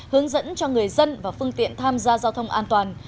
hướng dẫn cho người dân và phương tiện tham gia giao thông an toàn